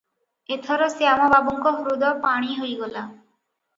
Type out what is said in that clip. ଏଥର ଶ୍ୟାମ ବାବୁଙ୍କ ହୃଦ ପାଣି ହୋଇଗଲା ।